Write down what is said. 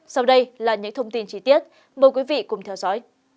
sau đây là những thông tin chi tiết mời quý vị cùng theo dõi